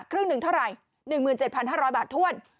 ครึ่งหนึ่งเท่าไรหนึ่งหมื่นเจ็ดพันห้าร้อยบาทถ้วน